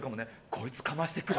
こいつ、かましてくる！